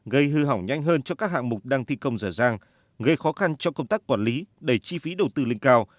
gây hư hỏng nhanh hơn cho các hạng mục đang thi công dở dàng gây khó khăn cho công tác quản lý đẩy chi phí đầu tư lên cao